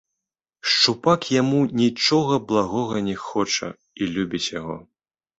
Шчупак яму нічога благога не хоча і любіць яго.